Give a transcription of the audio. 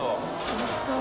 おいしそう。